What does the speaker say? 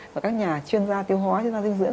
và các nhà chuyên gia tiêu hóa chuyên gia dinh dưỡng